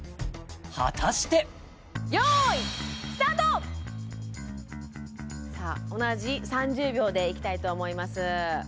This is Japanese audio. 果たして用意スタートさあ同じ３０秒でいきたいと思います